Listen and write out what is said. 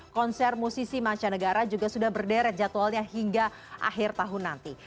konser musisi mancanegara juga sudah berderet jadwalnya hingga akhir tahun nanti